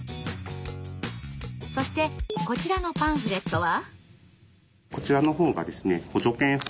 そしてこちらのパンフレットは？